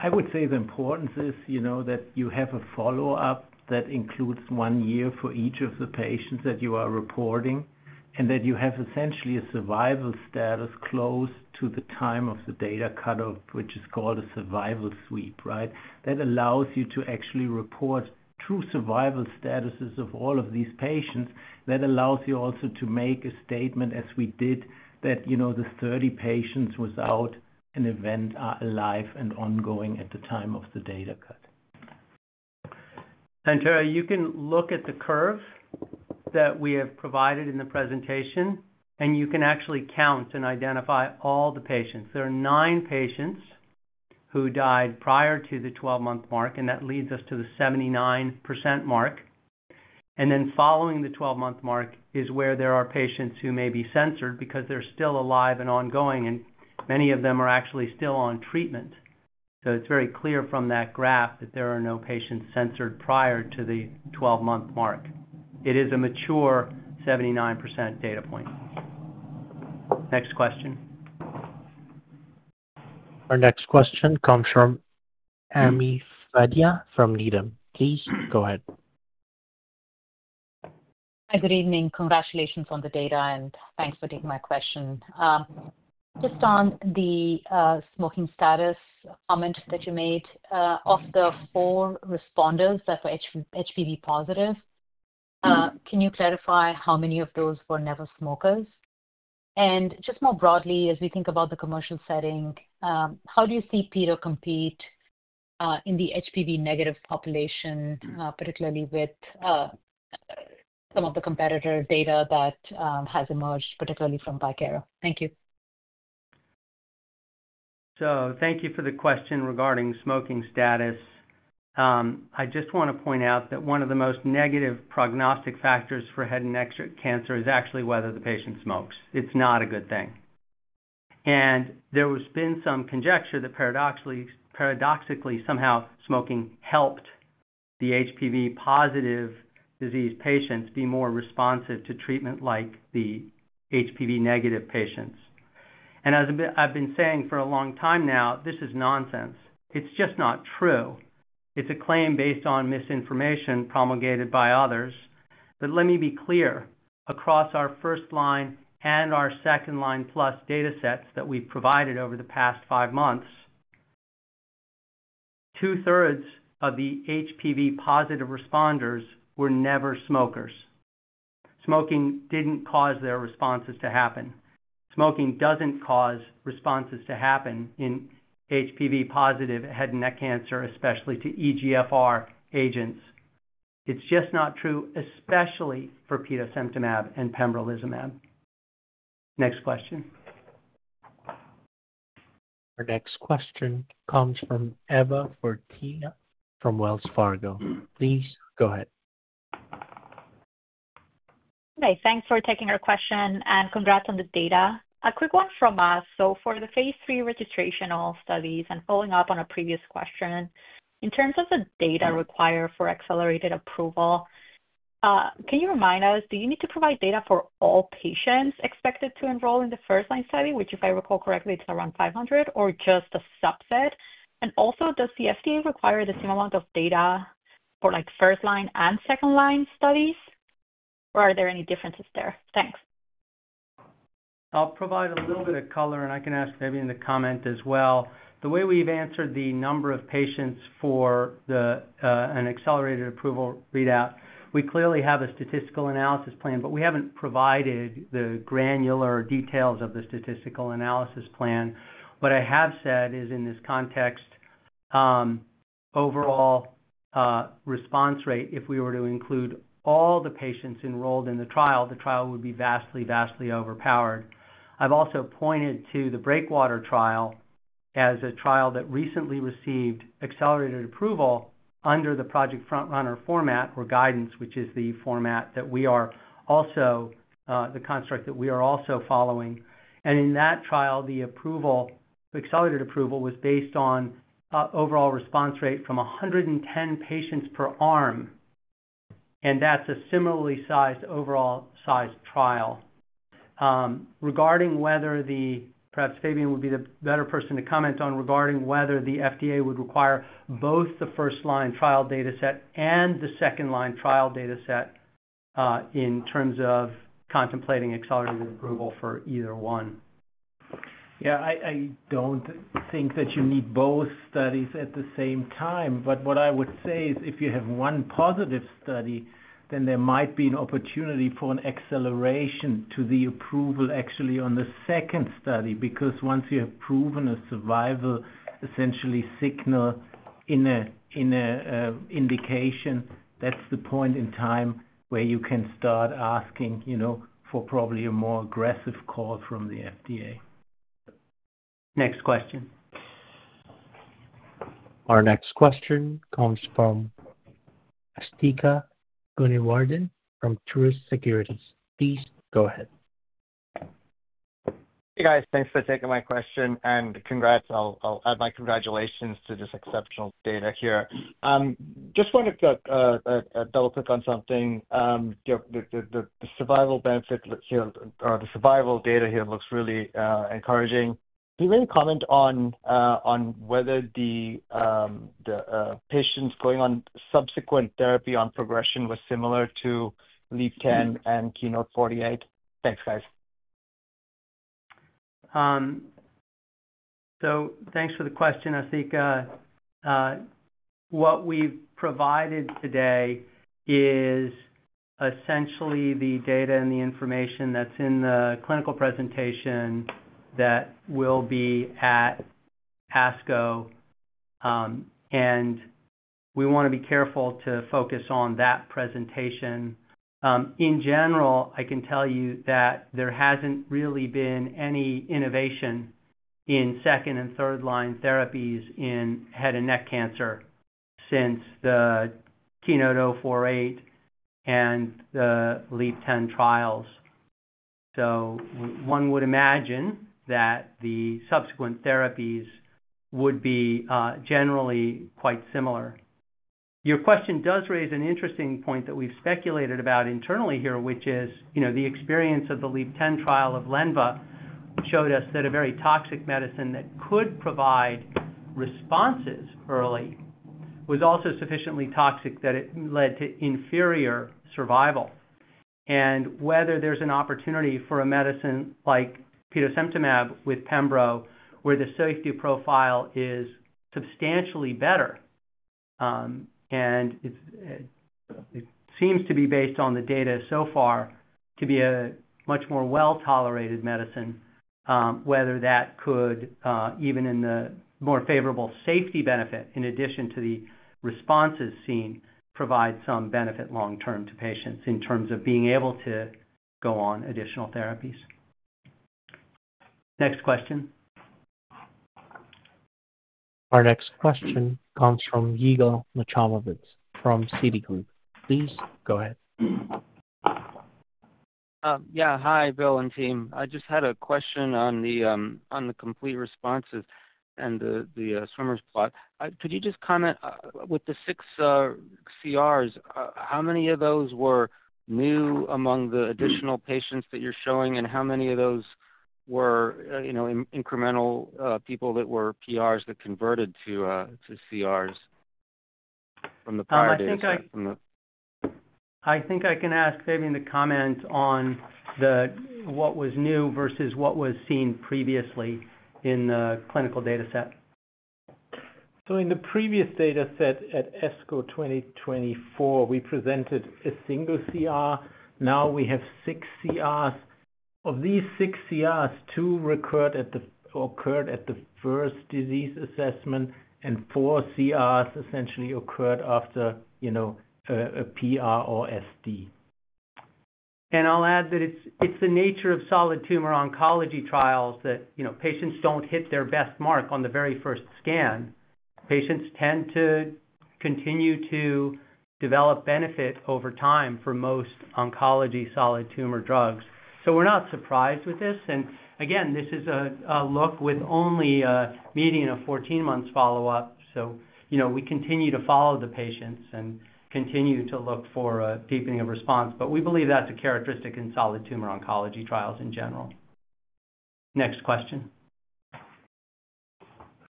I would say the importance is that you have a follow-up that includes one year for each of the patients that you are reporting, and that you have essentially a survival status close to the time of the data cut-off, which is called a survival sweep, right? That allows you to actually report true survival statuses of all of these patients. That allows you also to make a statement, as we did, that the 30 patients without an event are alive and ongoing at the time of the data cut. Tara, you can look at the curve that we have provided in the presentation, and you can actually count and identify all the patients. There are nine patients who died prior to the 12-month mark, and that leads us to the 79% mark. Following the 12-month mark is where there are patients who may be censored because they're still alive and ongoing, and many of them are actually still on treatment. It is very clear from that graph that there are no patients censored prior to the 12-month mark. It is a mature 79% data point. Next question. Our next question comes from Ami Fadia from Needham. Please go ahead. Hi, good evening. Congratulations on the data, and thanks for taking my question. Just on the smoking status comment that you made of the four responders that were HPV positive, can you clarify how many of those were never smokers? And just more broadly, as we think about the commercial setting, how do you see Peto competing in the HPV-negative population, particularly with some of the competitor data that has emerged, particularly from Bicara? Thank you. Thank you for the question regarding smoking status. I just want to point out that one of the most negative prognostic factors for head and neck cancer is actually whether the patient smokes. It's not a good thing. There has been some conjecture that paradoxically, somehow smoking helped the HPV-positive disease patients be more responsive to treatment like the HPV-negative patients. As I've been saying for a long time now, this is nonsense. It's just not true. It's a claim based on misinformation promulgated by others. Let me be clear, across our first-line and our second-line plus data sets that we've provided over the past 5 months, 2/3 of the HPV-positive responders were never-smokers. Smoking didn't cause their responses to happen. Smoking doesn't cause responses to happen in HPV-positive head and neck cancer, especially to EGFR agents. It's just not true, especially for petosemtamab and pembrolizumab. Next question. Our next question comes from Eva Fortea from Wells Fargo. Please go ahead. Hi, thanks for taking our question, and congrats on the data. A quick one from us. For the phase III registrational studies, and following up on a previous question, in terms of the data required for accelerated approval, can you remind us, do you need to provide data for all patients expected to enroll in the first-line study, which, if I recall correctly, is around 500, or just a subset? Also, does the FDA require the same amount of data for first-line and second-line studies, or are there any differences there? Thanks. I'll provide a little bit of color, and I can ask maybe in the comment as well. The way we've answered the number of patients for an accelerated approval readout, we clearly have a statistical analysis plan, but we haven't provided the granular details of the statistical analysis plan. What I have said is, in this context, overall response rate, if we were to include all the patients enrolled in the trial, the trial would be vastly, vastly overpowered. I have also pointed to the BREAKWATER trial as a trial that recently received accelerated approval under the Project FrontRunner format or guidance, which is the format that we are also the construct that we are also following. In that trial, the accelerated approval was based on overall response rate from 110 patients per arm, and that is a similarly sized overall sized trial. Regarding whether perhaps Fabian would be the better person to comment on regarding whether the FDA would require both the first-line trial data set and the second-line trial data set in terms of contemplating accelerated approval for either one. Yeah, I do not think that you need both studies at the same time. What I would say is, if you have one positive study, then there might be an opportunity for an acceleration to the approval actually on the second study because once you have proven a survival essentially signal in an indication, that's the point in time where you can start asking for probably a more aggressive call from the FDA. Next question. Our next question comes from Asthika Goonewardene from Truist Securities. Please go ahead. Hey, guys. Thanks for taking my question, and congrats. I'll add my congratulations to this exceptional data here. Just wanted to double-click on something. The survival benefit here or the survival data here looks really encouraging. Do you have any comment on whether the patients going on subsequent therapy on progression was similar to LEAP-10 and KEYNOTE-048? Thanks, guys. Thanks for the question, Asthika. What we've provided today is essentially the data and the information that's in the clinical presentation that will be at ASCO, and we want to be careful to focus on that presentation. In general, I can tell you that there hasn't really been any innovation in second and third-line therapies in head and neck cancer since the KEYNOTE-048 and the LEAP-10 trials. One would imagine that the subsequent therapies would be generally quite similar. Your question does raise an interesting point that we've speculated about internally here, which is the experience of the LEAP-10 trial of lenvatinib showed us that a very toxic medicine that could provide responses early was also sufficiently toxic that it led to inferior survival. Whether there's an opportunity for a medicine like petosemtamab to map with pembrolizumab where the safety profile is substantially better, and it seems to be based on the data so far to be a much more well-tolerated medicine, whether that could, even in the more favorable safety benefit in addition to the responses seen, provide some benefit long-term to patients in terms of being able to go on additional therapies. Next question. Our next question comes from Yigal Nochomovitz from Citi Group. Please go ahead. Yeah. Hi, Bill and team. I just had a question on the complete responses and the swimmers plot. Could you just comment with the six CRs, how many of those were new among the additional patients that you're showing, and how many of those were incremental people that were PRs that converted to CRs from the prior data set? I think I can ask Fabian to comment on what was new versus what was seen previously in the clinical data set. In the previous data set at ASCO 2024, we presented a single CR. Now we have six CRs. Of these six CRs, two occurred at the first disease assessment, and four CRs essentially occurred after a PR or SD. I'll add that it's the nature of solid tumor oncology trials that patients don't hit their best mark on the very first scan. Patients tend to continue to develop benefit over time for most oncology solid tumor drugs. We're not surprised with this. This is a look with only a median of 14 months follow-up. We continue to follow the patients and continue to look for a deepening of response. We believe that's a characteristic in solid tumor oncology trials in general. Next question.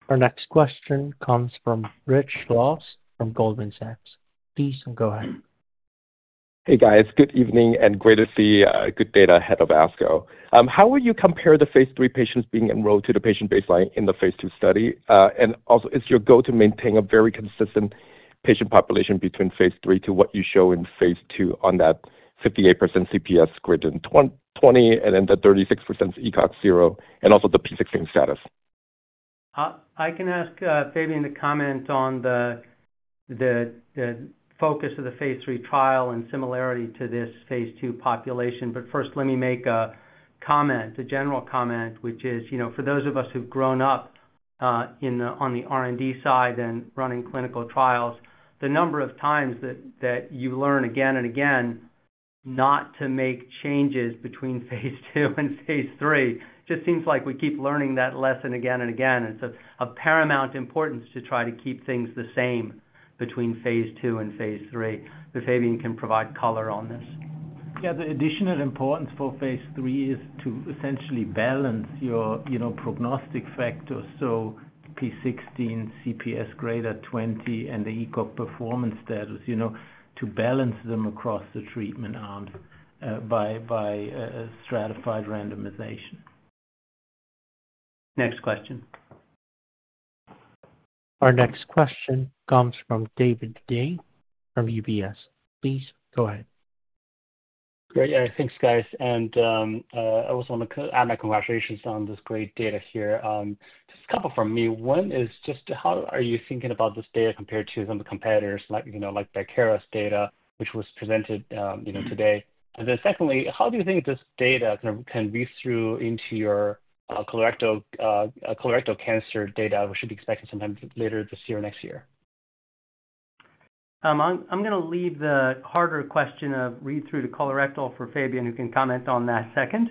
Our next question comes from Rich Law from Goldman Sachs. Please go ahead. Hey, guys. Good evening and great to see good data ahead of ASCO. How would you compare the phase III patients being enrolled to the patient baseline in the phase II study? Also, is your goal to maintain a very consistent patient population between phase III to what you show in phase II on that 58% CPS greater than 20, and then the 36% ECOG 0, and also the p16 status? I can ask Fabian to comment on the focus of the phase III trial in similarity to this phase II population. First, let me make a comment, a general comment, which is for those of us who've grown up on the R&D side and running clinical trials, the number of times that you learn again and again not to make changes between phase II and phase III just seems like we keep learning that lesson again and again. It's of paramount importance to try to keep things the same between phase II and phase III. Fabian can provide color on this. Yeah, the additional importance for phase III is to essentially balance your prognostic factors, so p16, CPS greater than 20, and the ECOG performance status to balance them across the treatment arms by stratified randomization. Next question. Our next question comes from David Dai from UBS. Please go ahead. Great. Yeah, thanks, guys. I also want to add my congratulations on this great data here. Just a couple from me. One is just how are you thinking about this data compared to some of the competitors like Bicara's data, which was presented today? Secondly, how do you think this data can read through into your colorectal cancer data, which should be expected sometime later this year or next year? I'm going to leave the harder question of read through the colorectal for Fabian, who can comment on that second.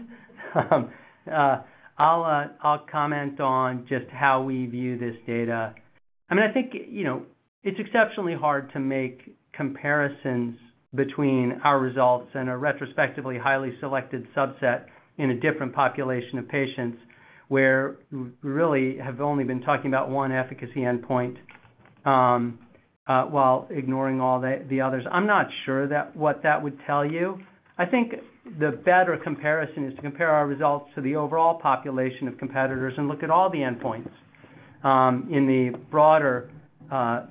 I'll comment on just how we view this data. I mean, I think it's exceptionally hard to make comparisons between our results and a retrospectively highly selected subset in a different population of patients where we really have only been talking about one efficacy endpoint while ignoring all the others. I'm not sure what that would tell you. I think the better comparison is to compare our results to the overall population of competitors and look at all the endpoints in the broader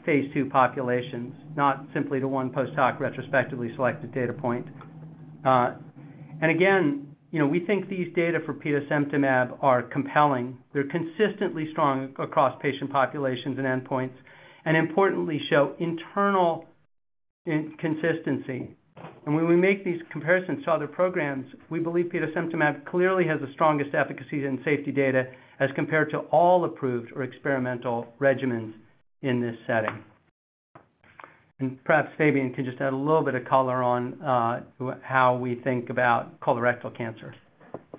phase II populations, not simply to one post-hoc retrospectively selected data point. Again, we think these data for petosemtamab are compelling. They're consistently strong across patient populations and endpoints, and importantly, show internal consistency. When we make these comparisons to other programs, we believe petosemtamab clearly has the strongest efficacy and safety data as compared to all approved or experimental regimens in this setting. Perhaps Fabian can just add a little bit of color on how we think about colorectal cancer.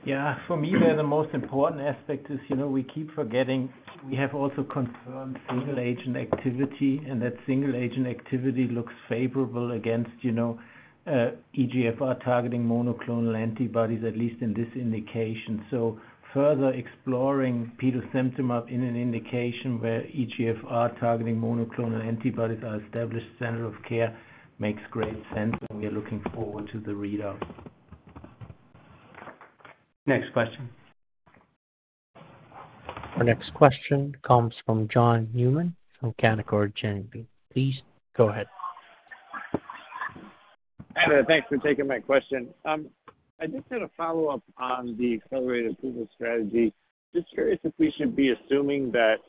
Yeah. For me, the most important aspect is we keep forgetting we have also confirmed single-agent activity, and that single-agent activity looks favorable against EGFR-targeting monoclonal antibodies, at least in this indication. Further exploring petosemtamab in an indication where EGFR-targeting monoclonal antibodies are established center of care makes great sense, and we are looking forward to the readout. Next question. Our next question comes from John Newman from Canaccord Genuity. Please go ahead. Eva, thanks for taking my question. I just had a follow-up on the accelerated approval strategy. Just curious if we should be assuming that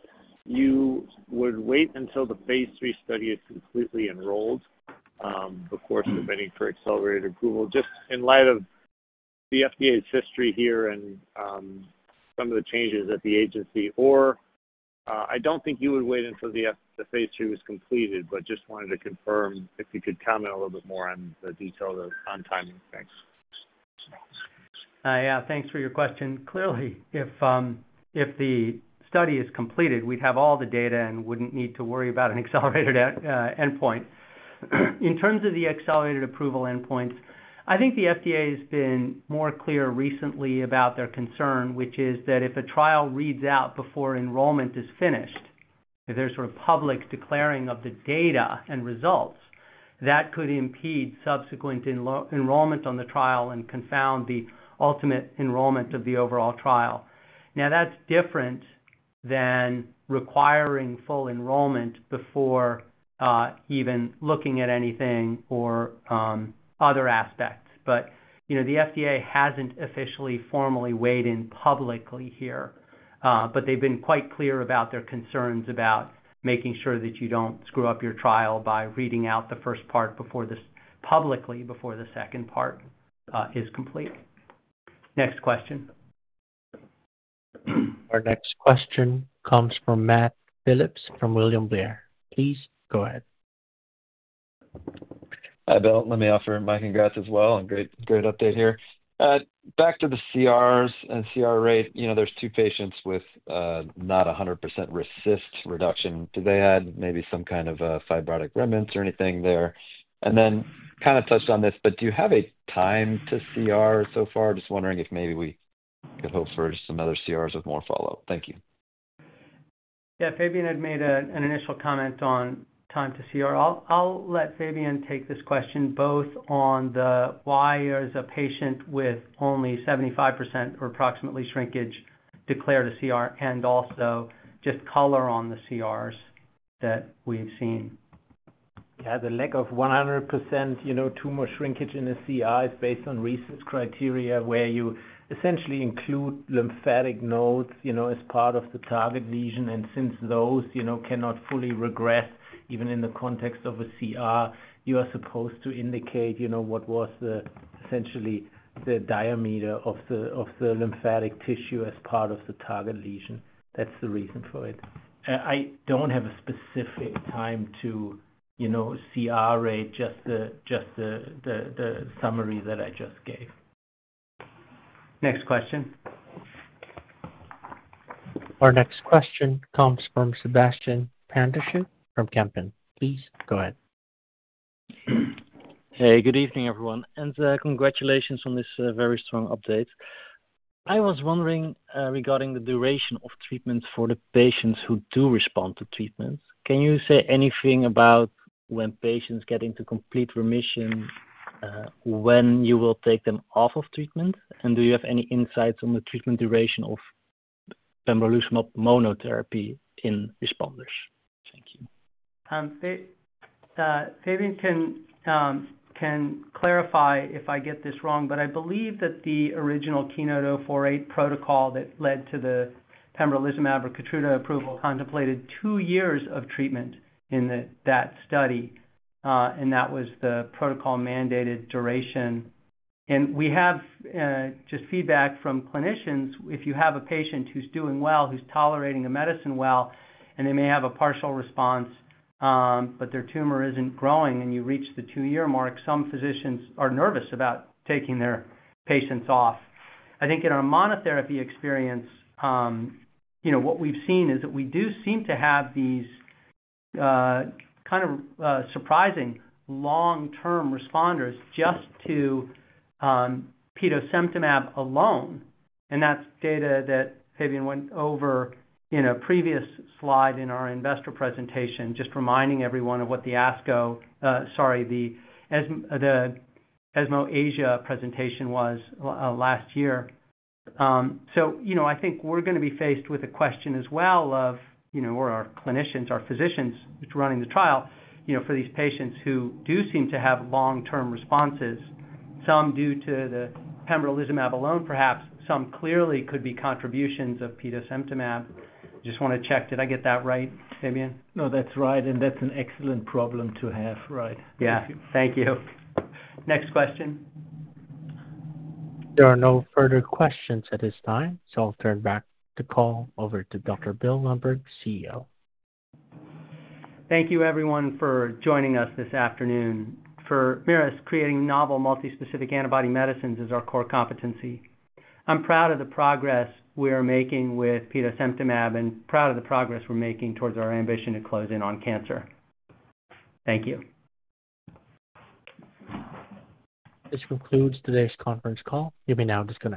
you would wait until the phase III study is completely enrolled before submitting for accelerated approval, just in light of the FDA's history here and some of the changes at the agency. I do not think you would wait until the phase III was completed, but just wanted to confirm if you could comment a little bit more on the detail on timing. Thanks. Yeah. Thanks for your question. Clearly, if the study is completed, we'd have all the data and wouldn't need to worry about an accelerated endpoint. In terms of the accelerated approval endpoints, I think the FDA has been more clear recently about their concern, which is that if a trial reads out before enrollment is finished, if there's sort of public declaring of the data and results, that could impede subsequent enrollment on the trial and confound the ultimate enrollment of the overall trial. Now, that's different than requiring full enrollment before even looking at anything or other aspects. The FDA hasn't officially formally weighed in publicly here, but they've been quite clear about their concerns about making sure that you don't screw up your trial by reading out the first part publicly before the second part is complete. Next question. Our next question comes from Matt Phipps from William Blair. Please go ahead. Hi, Bill. Let me offer my congrats as well and great update here. Back to the CRs and CR rate, there's two patients with not 100% RECIST reduction. Do they add maybe some kind of fibrotic remnants or anything there? And then kind of touched on this, but do you have a time-to-CR so far? Just wondering if maybe we could hope for some other CRs with more follow-up. Thank you. Yeah. Fabian had made an initial comment on time-to-CR. I'll let Fabian take this question both on the why is a patient with only 75% or approximately shrinkage declared a CR and also just color on the CRs that we've seen. Yeah. The lack of 100% tumor shrinkage in a CR is based on RECIST criteria where you essentially include lymphatic nodes as part of the target lesion. Since those cannot fully regress, even in the context of a CR, you are supposed to indicate what was essentially the diameter of the lymphatic tissue as part of the target lesion. That is the reason for it. I do not have a specific time-to-CR rate, just the summary that I just gave. Next question. Our next question comes from Sebastiaan van der Schoot from Kempen. Please go ahead. Hey, good evening, everyone. Congratulations on this very strong update. I was wondering regarding the duration of treatments for the patients who do respond to treatments. Can you say anything about when patients get into complete remission, when you will take them off of treatment? Do you have any insights on the treatment duration of pembrolizumab monotherapy in responders? Thank you. Fabian can clarify if I get this wrong, but I believe that the original KEYNOTE-048 protocol that led to the pembrolizumab or Keytruda approval contemplated two years of treatment in that study. That was the protocol-mandated duration. We have just feedback from clinicians. If you have a patient who's doing well, who's tolerating the medicine well, and they may have a partial response, but their tumor isn't growing and you reach the two-year mark, some physicians are nervous about taking their patients off. I think in our monotherapy experience, what we've seen is that we do seem to have these kind of surprising long-term responders just to petosemtamab alone. That's data that Fabian went over in a previous slide in our investor presentation, just reminding everyone of what the ASCO, sorry, the ESMO Asia presentation was last year. I think we're going to be faced with a question as well of, or our clinicians, our physicians who are running the trial for these patients who do seem to have long-term responses, some due to the pembrolizumab alone, perhaps some clearly could be contributions of petosemtamab. Just want to check. Did I get that right, Fabian? No, that's right. And that's an excellent problem to have. Right. Yeah. Thank you. Next question. There are no further questions at this time, so I'll turn back the call over to Dr. Bill Lundberg, CEO. Thank you, everyone, for joining us this afternoon. For Merus, creating novel multi-specific antibody medicines is our core competency. I'm proud of the progress we are making with petosemtamab and proud of the progress we're making towards our ambition to close in on cancer. Thank you. This concludes today's conference call. You may now disconnect.